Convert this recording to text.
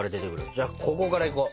じゃここからいこう。